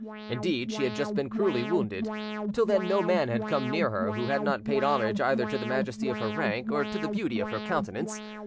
Indeed, she had just been cruelly wounded: till then no man had come near her who had not paid homage either to the majesty of her rank or to the beauty of her countenance.